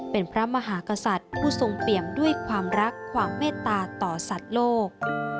เป็นพระมหากษัตริย์ผู้ทรงเปี่ยมด้วยความรักความเมตตาต่อสัตว์โลก